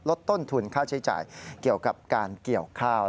ลดต้นทุนค่าใช้จ่ายเกี่ยวกับการเกี่ยวข้าว